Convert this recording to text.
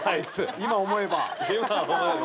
今思えば。